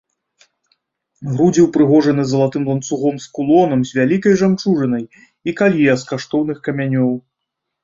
Грудзі ўпрыгожаны залатым ланцугом з кулонам з вялікай жамчужынай і калье з каштоўных камянёў.